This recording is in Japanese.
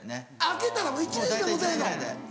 開けたら１年しか持たないの。